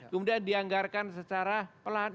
kemudian dianggarkan secara pelan